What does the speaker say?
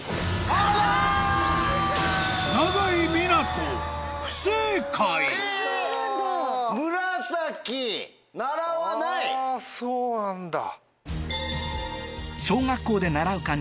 あそうなんだ。